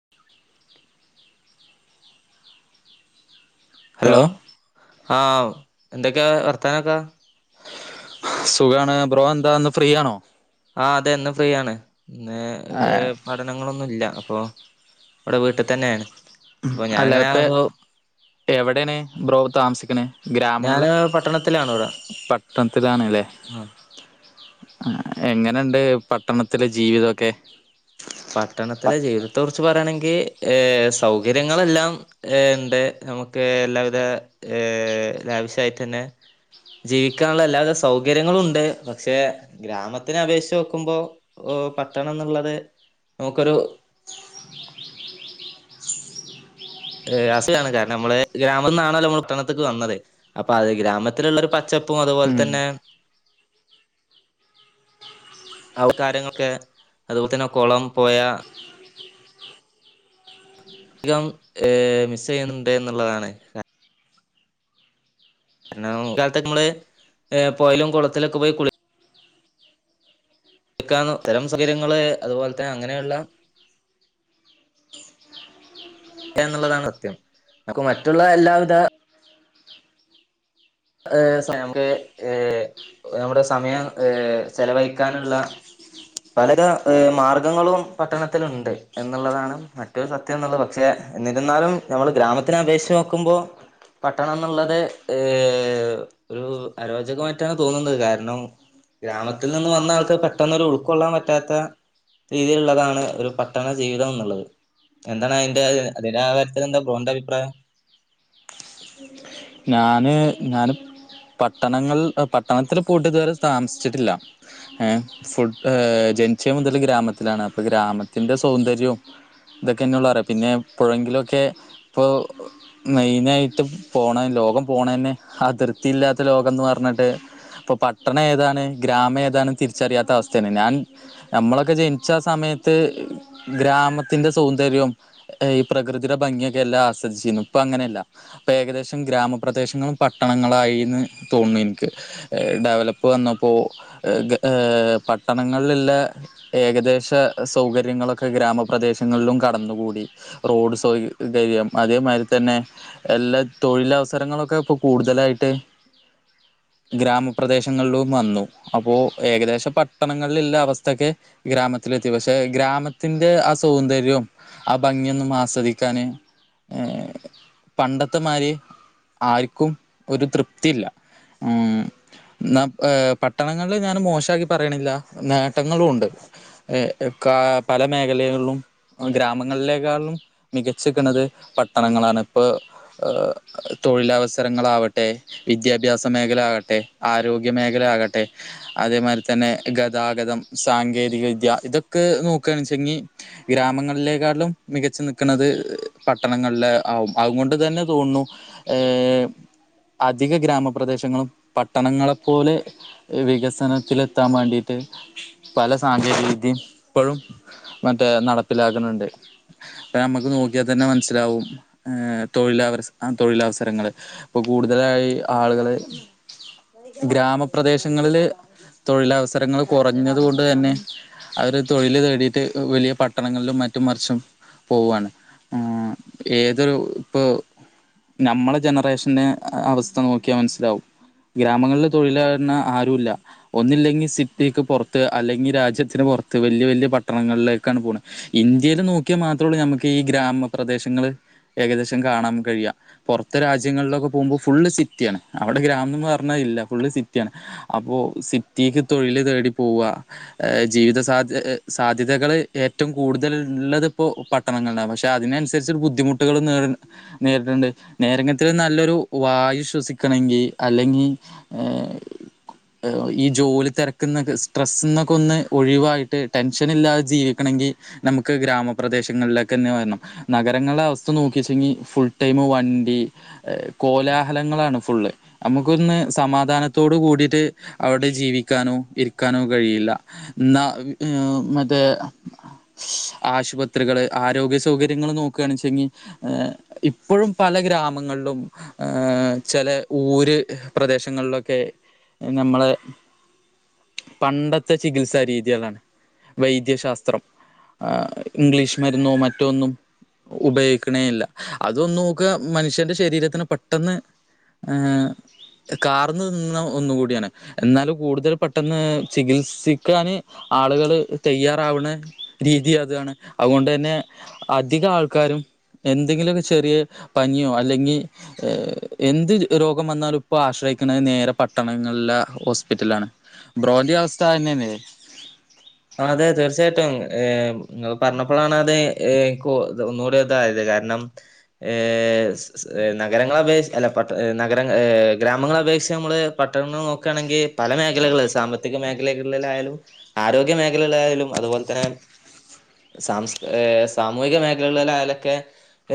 [inaudible] Hello hello ആഹ് എന്തൊക്കെ വർത്താനൊക്കെ സുഖാണ് ബ്രോ എന്താ ന്ന് ഫ്രീയാണോ ആഹ് അതെ ന്ന് ഫ്രീയാണ് ന്ന് ആ, ഏഹ് പ ഠനങ്ങളൊന്നുല്ലാ അപ്പൊ വടെ വീട്ട്ത്തന്നേണ് ഉം അല്ലാപ്പെ എവെടേണ് ബ്രോ താമസിക്ക്ണെ ഗ്രാമങ്ങൾലാ ഞാന് പട്ടണത്തിലാണ് ഇവിടെ പട്ടണ്ത്തിലാണ്ലേ ആഹ് ആഹ് എങ്ങനെണ്ട് പട്ടണത്തിലെ ജീവിതൊക്കെ പട്ടണത്തിലെ ജീവ്തത്തെ കുറ്ച്ച് പറ്യാണെങ്കി ഏഹ് സൗകര്യങ്ങളെല്ലാം ഏഹ് ണ്ട് നമുക്ക് എല്ലാവിധ ഏഹ് ലാവിശായിട്ടെന്നെ ജീവിക്കാന്ള്ളെ എല്ലാവിധ സൗകര്യങ്ങളൂണ്ട് പക്ഷെ ഗ്രാമത്തിനപേക്ഷിച്ച് നോക്കുമ്പോ ഓഹ് പട്ടണംന്ന്ള്ളത് നോക്കൊരു ഏഹ് രാസിയാണ് കാര്ണമ്മൾ ഗ്രാമ്ന്നാണല്ലോമ്മൾ പട്ടണത്ത്ക്ക് വന്നത് അപ്പൊ അത് ഗ്രാമത്തിലുള്ള ഒരു പച്ചപ്പും അതുപോലെ ഉം. തന്നെ ആഹ് കാര്യങ്ങളൊക്കെ അതുപോലെ തന്നെ ആ കുളം പൊയ കം ഏഹ് മിസ് ചെയ്യുന്നുണ്ട് എന്നുള്ളതാണ് കാരണം ഇക്കാലത്ത് ഒക്കെ നമ്മള് ഏഹ് പൊയേലും കൊളത്തിലൊക്കെ പോയി കുളി ക്കാന്ന് അത്തരം സൗകര്യങ്ങള് അതുപോലെ തന്നെ അങ്ങനെയുള്ള ഇല്ലാ എന്നുള്ളതാണ് സത്യം നമ്മക്ക് മറ്റുള്ള എല്ലാവിധ ഏഹ് സ നമുക്ക് ഏഹ് നമ്മുടെ സമയം ഏഹ് ചെലവയിക്കാനുള്ള പലവിധ ഏഹ് മാർഗങ്ങളും പട്ടണത്തില്ണ്ട് എന്നുള്ളതാണ് മറ്റ ഏറ്റവും സത്യന്നുള്ളത് പക്ഷെ എന്നിരുന്നാലും നമ്മള് ഗ്രാമത്തിന അപേക്ഷിച്ച് നോക്കുമ്പോ പട്ടണംന്നുള്ളത് ഏഹ് ഏഹ് ഒരു അരോചകമായിട്ടാണ് തോന്നുന്നത് കാരണം ഗ്രാമത്തിൽ നിന്ന് വന്ന ആൾക്ക് പെട്ടെന്ന് ഒരു ഉൾക്കൊള്ളാൻ പറ്റാത്ത രീതിയിലുള്ളതാണ് ഒരു പട്ടണ ജീവിതംന്നുള്ളത് എന്താണ് അയിന്റെ അതിന്റെ ആ കാര്യത്തിൽ എന്താ ബ്രോന്റെ അഭിപ്രായം [inaudible] ഞാന് ഞാനിപ്പ പട്ടണങ്ങൾ പട്ടണത്തിൽ പോയിട്ട് ഇതുവരെ താമസിച്ചിട്ടില്ല ഏഹ് ഫുൾ ഏഹ് ജനിച്ച മുതൽ ഗ്രാമത്തിലാണ് അപ്പൊ ഗ്രാമത്തിന്റെ സൗന്ദര്യവും ഇതൊക്കെന്നെള്ളൂ അറിവ് പിന്നെ എപ്പഴങ്കിലുമൊക്കെ ഇപ്പോ മെയിനായിട്ട് പോണ ലോകം പോണന്നെ ആ തൃപ്ത്തിയില്ലാത്ത ലോകംന്ന് പറഞ്ഞിട്ട് ഇപ്പ പട്ടണം ഏതാണ്, ഗ്രാമം ഏതാണ് തിരിച്ചറിയാത്ത അവസ്ഥയാണ്. ഞാൻ നമ്മളൊക്കെ ജനിച്ച ആ സമയത്ത് ഗ്രാമത്തിന്റെ സൗന്ദര്യം ഏയ് ഈ പ്രകൃതിയുടെ ഭംഗിയൊക്കെ എല്ലാ ആസ്വദിച്ചീന്നു, ഇപ്പൊ അങ്ങനെയല്ല ഇപ്പൊ ഏകദേശം ഗ്രാമപ്രദേശങ്ങളും പട്ടണങ്ങളായീന്ന് തോന്ന്ണ് ഇൻക്ക്. ഏഹ്, ഡെവലപ്പ് വന്നപ്പോ എ ഏഹ് പട്ടണങ്ങളില്ള്ള ഏകദേശ സൗകര്യങ്ങളൊക്കെ ഗ്രാമപ്രദേശങ്ങളിലും കടന്നുകൂടി. റോഡ് സൗകര്യം അതേമാതിരി തന്നെ എല്ലാ തൊഴിലവസരങ്ങളൊക്കെ ഇപ്പോ കൂടുതലായിട്ട് ഗ്രാമപ്രദേശങ്ങളിലും വന്നു. അപ്പോ ഏകദേശ പട്ടണങ്ങളില്ള്ള അവസ്ഥൊക്കെ ഗ്രാമത്തിലെത്തി, പക്ഷെ ഗ്രാമത്തിന്റെ ആ സൗന്ദര്യോം ആ ഭംഗിയൊന്നും ആസ്വദിക്കാന് ഏഹ് പണ്ടത്തെമാരി ആര്ക്കും ഒരു തൃപ്തിയില്ല. ഉം ഇന്ന ഏഹ് പട്ടണങ്ങളില് ഞാന് മോശാക്കി പറയണില്ല നേട്ടങ്ങളുണ്ട്. ഏഹ് കാ പല മേഖലകളിലും ഗ്രാമങ്ങളിലേക്കാളിലും മികച്ച് ക്കണത് പട്ടണങ്ങളാണിപ്പ ഏഹ് തൊഴിലവസരങ്ങളാവട്ടെ വിദ്യാഭ്യാസ മേഖല ആകട്ടെ ആരോഗ്യ മേഖല ആകട്ടെ അതേമാരിതന്നെ ഗതാഗതം, സാങ്കേതിക വിദ്യ ഇതൊക്കെ നോക്ക് ആണെച്ചെങ്കി ഗ്രാമങ്ങളിലേക്കാട്ട്ലും മികച്ച് നിക്ക്ണത് പട്ടണങ്ങളില് ആവും, അതുകൊണ്ട് തന്നെ തോന്നുണു ഏഹ് അധിക ഗ്രാമപ്രദേശങ്ങളും പട്ടണങ്ങളെപ്പോലെ വികസനത്തിലത്താമാണ്ടീട്ട് പല സാങ്കേതികവിദ്യയും ഇപ്പഴും മറ്റേ നടപ്പിലാക്ണ് ണ്ട്. ഇപ്പ നമ്മക്ക് നോക്കിയാ തന്നെ മനസ്സിലാവും ഏഹ് തൊഴിലവസര ആ തൊഴിലവസരങ്ങള് ഇപ്പൊ കൂടുതലായി ആളുകള് ഗ്രാമപ്രദേശങ്ങളില് തൊഴിലവസരങ്ങള് കുറഞ്ഞത് കൊണ്ട് തന്നെ അവര് തൊഴില് തേടിയിട്ട് വലിയ പട്ടണങ്ങളിലും മറ്റും മറിച്ചും പോവാണ് ഉം ഏതൊരു ഇപ്പോ ഞമ്മളെ ജനറേഷന് അവസ്ഥ നോക്കിയാ മനസ്സിലാവും. ഗ്രാമങ്ങളില് തൊഴിലാവ്ന്ന ആരൂല്ല. ഒന്നില്ലെങ്കിൽ സിറ്റീക്ക് പൊറത്ത് അല്ലെങ്കിൽ രാജ്യത്തിന് പൊറത്ത് വെല്ല്യ, വെല്ല്യ പട്ടണങ്ങളിലേക്കാണ് പോണെ ഇന്ത്യയേല് നോക്കിയാൽ മാത്രള്ളൂ നമ്മക്ക് ഈ ഗ്രാമപ്രദേശങ്ങള് ഏകദേശം കാണാം കഴിയ്. പൊറത്തെ രാജ്യങ്ങളിലൊക്കെ പോവുമ്പം ഫുള്ള് സിറ്റിയാണ്, അവിടെ ഗ്രാമംന്ന് പറഞ്ഞ ഇല്ല ഫുള്ള് സിറ്റിയാണ്. അപ്പോ സിറ്റീക്ക് തൊഴില് തേടി പോവ് ഏഹ് ജീവിത സാധ്യ സാധ്യതകൾ ഏറ്റവും കൂടുതൽ ഇള്ളത്പ്പോ പ ട്ടണങ്ങളിലാ പക്ഷെ അതിനനുസരിച്ചൊരു ബുദ്ധിമുട്ടുകളും നേർ നേരിട്ണ്ട്. നേരെ ഇങ്ങൻത്തൊരു നല്ലൊരു വായു ശ്വസിക്കണങ്കി അല്ലെങ്കി ഏഹ് ഏഹ് ഈ ജോലി തെരക്ക്ന്നൊക്കെ സ്ട്രെസ്സ്ന്നൊക്കെ ഒന്ന് ഒഴിവായിട്ട് ടെൻഷനില്ലാതെ ജീവിക്കണങ്കി നമുക്ക് ഗ്രാമപ്രദേശങ്ങളിലേക്കെന്നെ വരണം നഗരങ്ങളുടെ അവസ്ഥ നോക്കിച്ചെങ്കി ഫുൾടൈമ് വ ണ്ടി, ഏഹ് കോലാഹലങ്ങളാണ് ഫുള്ള്. നമുക്കൊന്ന് സമാധാനത്തോട് കൂടിട്ട് അവിടെ ജീവിക്കാനോ ഇരിക്കാനോ കഴിയില്ല. ഇന്നാ ഏഹ് മറ്റേ ആശുപത്രികള് ആരോഗ്യ സൗകര്യങ്ങള് നോക്കാണ്ച്ചെങ്ങി ഏഹ് ഇപ്പഴും പല ഗ്രാമങ്ങളിലും ഏഹ് ചെല ഊര് പ്രദേശങ്ങളിലൊക്കെ നമ്മളെ പണ്ടത്തെ ചികിത്സ രീതികളാണ്. വൈദ്യശാസ്ത്രം ആ ഇംഗ്ലീഷ് മരുന്നോ മറ്റോ ഒന്നും ഉപയോഗിക്കണേ ഇല്ല അതൊന്നും ക്ക മനുഷ്യന്റെ ശരീരത്തിനെ പെട്ടെന്ന് ഏഹ് കാർന്ന് തിന്ന്ണ ഒന്നുകൂടിയാണ് എന്നാൽ കൂടുതൽ പെട്ടെന്ന് ചികിത്സിക്കാന് ആൾകള് തെയ്യാറാവ്ണെ രീതി അതാണ് അതുകൊണ്ടെന്നെ അധികാൾക്കാരും എന്തെങ്കിലുക്കെ ചെറിയ പനിയോ അല്ലെങ്ങി ഏഹ് എന്ത് രോഗം വന്നാലും ഇപ്പോ ആശ്രയിക്കണെ നേരെ പട്ടണങ്ങളിലെ ഹോസ്പിറ്റലാണ്. ബ്രോന്റി അവസ്ഥ അനനെ അതെതെ തീർച്ചയായിട്ടും ഏഹ് ഇങ്ങൾ പറഞ്ഞപ്പളാണ് അത് ഏഹ് ഇക്ക് ഒന്നുകൂടി ഇതായത് കാരണം ഏഹ് സ് സ് നഗരങ്ങളെ അപേക്ഷി അല്ല പട്ട നഗര ഏഹ് ഗ്രാമങ്ങളെ അപേക്ഷിച്ച് നമ്മള് പട്ടണങ്ങൾ നോക്കാണെങ്കി പല മേഖലകള് സാമ്പത്തിക മേഖലകളിലായാലും ആരോ ഗ്യ മേഖലകളായാലും അതുപോലെ തന്നെ സാംസ് ഏഹ് സാമൂഹിക മേഖലകളിലായാലൊക്കെ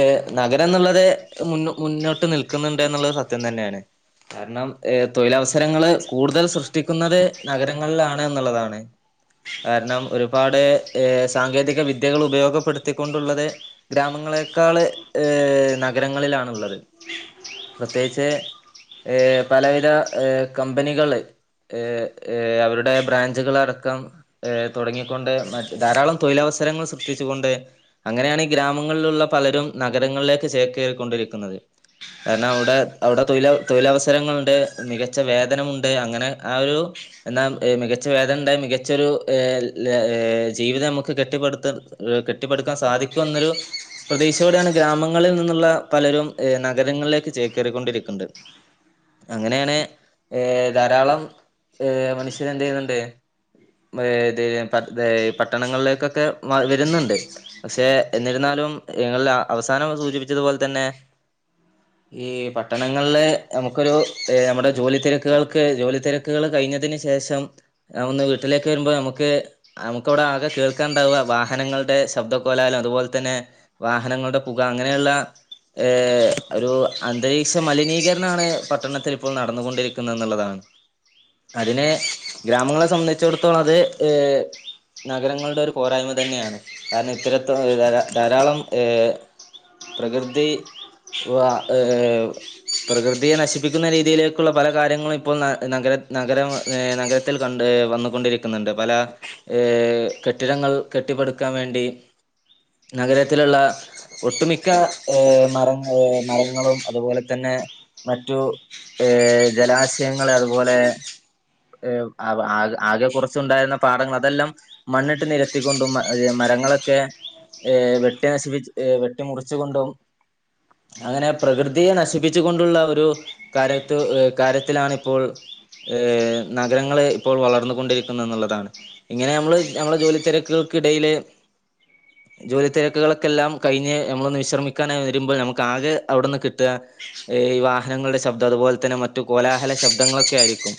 ഏഹ് നഗരന്നുള്ളത് മുന്നോ മുന്നോട്ട് നിൽക്കുന്നുണ്ടെന്നുള്ളത് സത്യം തന്നെണ്. കാരണം ഏഹ് തൊഴിലവസരങ്ങള് കൂടുതൽ സൃഷ്ടിക്കുന്നത് നഗരങ്ങളിലാണ് എന്നുള്ളതാണ്. കാരണം ഒരുപാട് ഏഹ് സാങ്കേതിക വിദ്യകൾ ഉപയോഗപ്പെടുത്തിക്കൊണ്ടുള്ളത് ഗ്രാമങ്ങളെക്കാള് ഏഹ് നഗരങ്ങളിലാണുള്ളത്. പ്രത്യേകിച്ച് ഏഹ് പലവിധ ഏഹ് കമ്പനികള് ഏഹ് ഏഹ് അവരുടെ ബ്രാഞ്ചുകളടക്കം ഏഹ് തൊടങ്ങിക്കൊണ്ട് മറ്റേ ധാരാളം തൊഴിലവസരങ്ങൾ സൃഷ്ടിച്ചുകൊണ്ട് അങ്ങനെയാണ് ഈ ഗ്രാമങ്ങളിലുള്ള പലരും നഗരങ്ങളിലേക്ക് ചേക്കേറിക്കൊണ്ടിരിക്കുന്നത്. കാരണം അവിടെ അവിടെ തൊഴില തൊഴിലവസരങ്ങളുണ്ട് മികച്ച വേതനമുണ്ട് അങ്ങനെ ആഹ് ഒരു എന്നാ മികച്ച വേദനണ്ട് മികച്ചൊരു ഏഹ് ഏഹ് ജീവിതം നമുക്ക് കെട്ടിപ്പടുത്ത ഏഹ് കെട്ടിപ്പടുക്കാൻ സാധിക്കുന്നൊരു പ്രതീക്ഷയോടെയാണ് ഗ്രാമങ്ങളിൽ നിന്നുള്ള പലരും നഗരങ്ങളിലേക്ക് ചേക്കേറിക്കൊണ്ടിരിക്ണ്ട് അങ്ങനെയാണ് ഏഹ് ധാരാളം ഏഹ് മനുഷ്യനെന്തയ്യുന്നുണ്ട് ബ ഏഹ് ത് ഏഹ് പട്ടണങ്ങളിലേക്കൊക്കെ വരുന്നുണ്ട്. പക്ഷെ എന്നിരുന്നാലും ഞങ്ങള് അവസാനം സൂചിപ്പിച്ചതുപോലെ തന്നെ ഈ പട്ടണങ്ങളില് നമുക്കൊരു ഏഹ് നമ്മുടെ ജോലി തെരക്കുകൾക്ക് ജോലി തെര ക്കേള് കഴിഞ്ഞതിന് ശേഷം ഒന്ന് വീട്ടിലേക്ക് വരുമ്പോ നമുക്ക് നമുക്കവിടെ ആകെ കേൾക്കാണ്ടാവ വാഹനങ്ങളുടെ ശബ്ദകോലാലം അതുപോലെ തന്നെ വാഹനങ്ങളുടെ പുക അങ്ങനെയുള്ള ഏഹ് ഒരു അന്തരീക്ഷ മലിനീകരണാണ് പട്ടണത്തിൽ ഇപ്പോൾ നടന്നുകൊണ്ടിരി ക്കുന്ന്ന്നുള്ളതാണ് അതിനെ ഗ്രാമങ്ങളെ സംബന്ധിച്ചിടത്തോളം അത് ഏഹ് നഗരങ്ങളുടെ ഒരു പോരായ്മ തന്നെയാണ് കാരണം ഇത്തരത്ത ഏഹ് ധാരാളം ഏഹ് പ്രകൃതി വ ഏഹ് പ്രകൃതിയെ നശിപ്പിക്കുന്ന രീതിയിലേക്കുള്ള പല കാര്യങ്ങളും ഇപ്പോൾ ന നഗ നഗരം ഏഹ് നഗരത്തിൽ കണ്ട്എ വന്നു കൊണ്ടിരിക്കുന്നുണ്ട് പല കെട്ടിടങ്ങൾ ഏഹ് കെട്ടിപ്പടുക്കാൻ വേണ്ടി നഗരത്തിലുള്ള ഒട്ടുമിക്ക ഏഹ് മരങ്ങള് മരങ്ങളും അതുപോലെ തന്നെ മറ്റു ഏഹ് ജലാശയങ്ങൾ അതുപോലെ ഏഹ് ആവ് ആ ആകെ കുറച്ചുണ്ടായിരുന്ന പാടങ്ങൾ അതെല്ലാം മണ്ണിട്ട് നിരത്തിക്കൊണ്ടും മരങ്ങളൊക്കെ ഏഹ് വെട്ടി നശിപ്പിച്ച് വെട്ടി മുറിച്ച് കൊണ്ടും അങ്ങനെ പ്രകൃതിയെ നശിപ്പിച് കൊണ്ടുള്ള ഒരു കാര്യത്ത് ഏഹ് കാര്യത്തിലാണ് ഇപ്പോൾ ഏഹ് നഗരങ്ങളെ ഇപ്പോൾ വളർന്നു കൊണ്ടിരിക്കുന്ന എന്നുള്ളതാണ് ഇങ്ങനെ നമ്മള് നമ്മളെ ജോലി തിരക്കുകൾക്കിടയില് ജോലി തിരക്കുകളൊക്കെ എല്ലാം കഴിഞ്ഞ് നമ്മളൊന്ന് വിശ്രമിക്കാനായി വരുമ്പോ നമുക്ക് ആകെ അവിട്ന്ന് കിട്ട്ക ഈ വാഹനങ്ങളുടെ ശബ്ദം അതുപോലെ തന്നെ മറ്റു കോലാഹല ശബ്ദങ്ങളൊക്കെ ആരിക്കും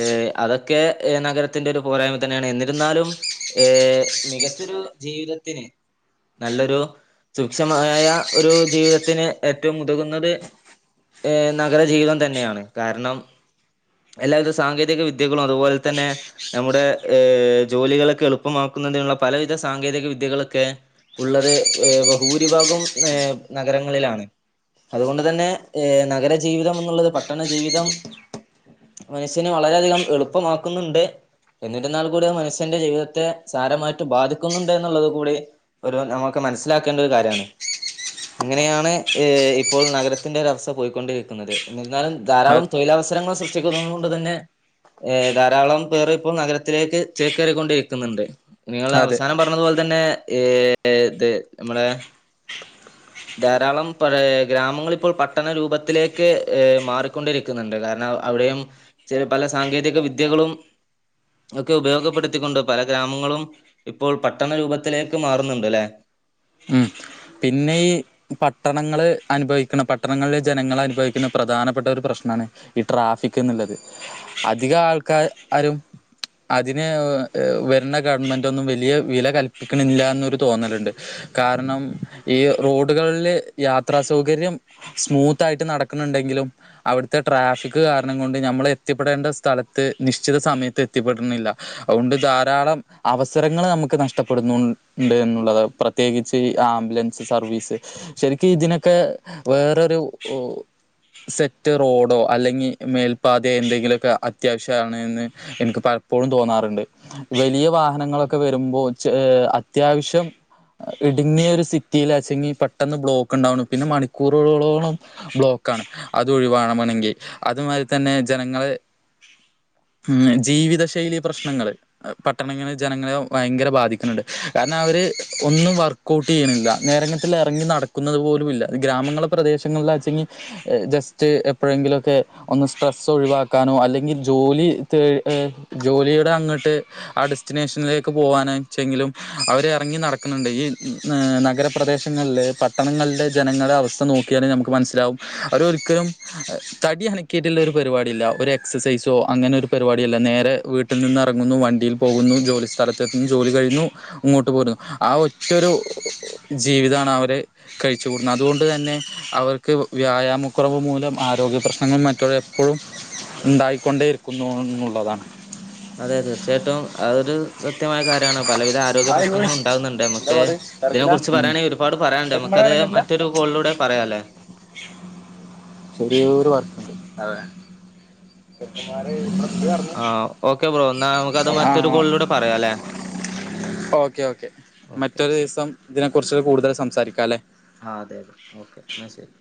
ഏഹ് അതൊക്കെ ഏഹ് നഗരത്തിന്റെ ഒരു പോരായ്മ തന്നെയാണ് എന്നിരുന്നാലും ഏഹ് മികച്ചൊരു ജീവിതത്തിന് നല്ലൊരു സൂക്ഷമായ ഒരു ജീവിതത്തിന് ഏറ്റവും ഉതകുന്നത് ഏഹ് നഗര ജീവിതം തന്നെയാണ് കാരണം എല്ലാവിധ സാങ്കേതിക വിദ്യകളും അതുപോലെ തന്നെ നമ്മുടെ ഏഹ് ജോലികളൊക്കെ എളുപ്പമാക്കുന്നതിനുള്ള പലവിധ സാങ്കേതിക വിദ്യകളൊക്കെ ഉള്ളത് ഏഹ് ഭൂരിഭാഗം ഏഹ് നഗരങ്ങളിലാണ് അതുകൊണ്ട് തന്നെ ഏഹ് നഗരജീവിതം എന്നുള്ളത് പട്ടണ ജീവിതം മനുഷ്യെ വളരെയധികം എളുപ്പമാക്കുന്നുണ്ട് എന്നിരുന്നാൽ കൂടി മനുഷ്യന്റെ ജീവിതത്തെ സാരമായിട്ട് ബാധിക്കുന്നുണ്ട് എന്നുള്ളത് കൂടി ഒരു നമുക്ക് മനസ്സിലാക്കേണ്ട ഒരു കാര്യണ് ഇങ്ങനെയാണ് ഏഹ് ഇപ്പോൾ നഗരത്തിന്റെ ഒരവസ്ഥ പോയിക്കൊണ്ടിരിക്കുന്നത് എന്നിരുന്നാലും അ ധാരാളം തൊഴിലവസരങ്ങൾ സൃഷ്ടിക്കുന്നത് കൊണ്ട് തന്നെ ഏഹ് ധാരാളം പേര് ഇപ്പോൾ നഗരത്തിലേക്ക് ചേകേറിക്കൊണ്ടിരിക്കുന്നുണ്ട് നിങ്ങള് അതെ അവസാനം പറഞ്ഞതു പോലെ തന്നെ ഏഹ് ഇത് നമ്മടെ ധാരാളം പ ഗ്രാമങ്ങ ഇപ്പോൾ പട്ടണരൂപത്തിലേക്ക് മാറിക്കൊണ്ടിരി ന്നുണ്ട് കാരണം അവിടെയും ചില പല സാങ്കേതിക വിദ്യകളും ഒക്കെ ഉപയോഗപ്പെടുത്തിക്കൊണ്ട് പല ഗ്രാമങ്ങളും ഇപ്പോൾ പട്ടണ രൂപത്തിലേക്ക് മാറുന്നുണ്ട് അല്ലെ ഉം പിന്നെ ഇ പട്ടണങ്ങള് അനുഭവിക്കണ പട്ടണങ്ങളില് ജനങ്ങൾ അനുഭവിക്കുന്ന പ്രധാനപ്പെട്ട ഒരു പ്രശ്നണ് ഈ ട്രാഫിക് എന്നുള്ളത് അധിക ആൾക്കാരും അതിന് വരേണഗവൺമെന്റ് ഒന്നും വലിയ വില കല്പ്പിക്കണില്ലന്നോരു തോന്നലുണ്ട് കാരണം ഈ റോഡുകളില് യാത്രാ സൗകര്യം സ്മൂത്ത് ആയിട്ട് നടക്കുന്നുണ്ടെങ്കിലും അവിടുത്തെ ട്രാഫിക് കാരണം കൊണ്ട് നമ്മൾ എത്തിപ്പെടേണ്ട സ്ഥലത്ത് നിശ്ചിത സമയത്ത് എത്തിപ്പെടണില്ല അതുകൊണ്ട് ധാരാളം അവസരങ്ങള് നമുക്ക് നഷ്ടപ്പെടുന്നു ഉണ്ട് എന്നുള്ളത് പ്രത്യേകിച്ച് ആ ലെൻസ് സർവീസ് ശരിക്കും ഇതിനൊക്കെ വേറൊരു ഉ സെറ്റ് റോഡോ അല്ലെങ്കി മേൽപ്പാതയോ എന്തെങ്കിലുക്കെ അത്യാവശ്യണ് എന്ന് എനിക്ക് പലപ്പോഴും തോന്നാറുണ്ട് വലിയ വാഹനങ്ങളൊക്കെ വരുമ്പോ ച്ചേ അത്യാവശ്യം ഇടുങ്ങിയ ഒരു സി റ്റിലചെങ്കി പെട്ടെന്ന് ബ്ലോക്ക് ഉണ്ടാവണ് പിന്നെ മണിക്കൂറുകളോളോളം ബ്ലോക്കാണ് അത് ഒഴിവാണമണെങ്കിൽ അതുമാതി തന്നെ ജനങ്ങള് ഉം ജീവിത ശൈലി പ്രശ്നങ്ങള് പട്ടണളിലെ ജനങ്ങളെ ഭയങ്കര ബാധിക്കുന്നുണ്ട് കാരണം അവര് ഒന്നും വർക്ക്ഔട്ടയ്യണില്ല നേരങ്ങത്തിലറങ്ങി നടക്കുന്നത് പോലൂ ഇല്ല ഗ്രാമങ്ങളെ പ്രദേശങ്ങളിലാച്ചെങ്കി ജസ്റ്റ് എപ്പോഴെങ്കിലൊക്കെ ഒന്ന് സ്ട്രെസ്സ് ഒഴിവാക്കാനോ അല്ലെങ്കിൽ ജോലി ത് ഏഹ് ജോലിയുടെ അങ്ങോട്ട് ആ ഡെസ്റ്റിനേഷനിലേക്ക് പോവാനച്ചെങ്കിലും അവര് ഇറങ്ങി നടക്കുന്നുണ്ട് ഈ നഗര പ്രദേശങ്ങളില് പട്ടണങ്ങള്ല് ജനങ്ങളെ അവസ്ഥ നോക്കിയാല് നമുക്ക് മനസ്സിലാവും അത് ഒരിക്കലും തടി അന്നക്കിയിട്ട്ള്ള ഒരു പരിപാടി ഇല്ല ഒരു എക്സസൈസോ അങ്ങനെ ഒരു പരിപാടി ഇല്ല നേരെ വീട്ടിൽ നിന്ന് ഇറങ്ങുന്നു വണ്ടിയിൽ പോകുന്നു ജോലി സ്ഥലത്ത്ത്തുന്നു ജോലി കഴിഞ്ഞു ഇങ്ങോട്ട് പോരുന്നു ആ ഒറ്റൊരു ജീവിതമാണ് അവര് കഴിച്ചുകൂടുന്നു അതുകൊണ്ട് തന്നെ അവർക്ക് വ്യായാമക്കുറവ് മൂലം ആരോഗ്യ പ്രശ്നങ്ങളും മറ്റത് എപ്പഴും ഇണ്ടായിക്കൊണ്ടിരിക്കുന്നു എന്നുള്ളതാണ് അതെ തീർച്ചയായിട്ടും അതൊരു സത്യമായ കാര്യാണ് പലവിധ ആരോഗ്യ പ്രശ്നങ്ങളും ഉണ്ടാകുന്നുണ്ട് നമുക്ക് തെരക്കിലാ കണേ ഒരുപാട് പറയാണ്ട് നമുക്കത് മറ്റൊരു കോളിലൂടെ പറയാല്ലേ ചെറിയോരു വർക്കുണ്ട് അതെ ചെക്കമാര് അത് ഓക്കെ ബ്രോ എന്നാ നമുക്കത് ആ മറ്റൊരു കോളിലൂടെ പറയാല്ലെ ഓക്കെ ഓക്കെ ഓക്കെ മറ്റൊരു ശരി ദിവസം ഇതിനെ കുറിച്ച് കൂടുതല് സംസാരിക്കാല്ലേ ആഹ് അതെ ഓക്കെ അന്നാ ശരി